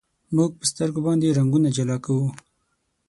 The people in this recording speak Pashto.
موږ په سترګو باندې رنګونه جلا کوو.